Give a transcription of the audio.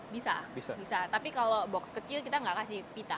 bisa bisa tapi kalau box kecil kita nggak kasih pita